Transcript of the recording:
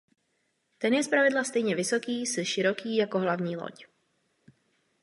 Ten je zpravidla stejně vysoký s široký jako hlavní loď.